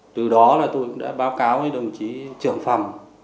từ đó là tôi cũng đã báo cáo với đồng chí trưởng phòng